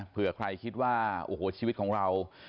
เพื่อใครคิดว่าชีวิตของเรา